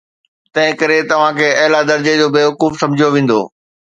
تنهنڪري توهان کي اعليٰ درجي جو بيوقوف سمجهيو ويندو.